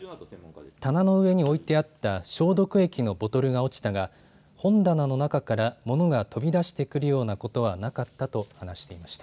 棚の上に置いてあった消毒液のボトルが落ちたが本棚の中から物が飛び出してくるようなことはなかったと話していました。